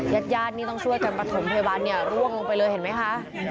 ญาติญาตินี่ต้องช่วยกันประถมพยาบาลเนี่ยร่วงลงไปเลยเห็นไหมคะ